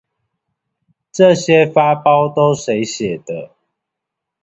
這些發包都誰寫的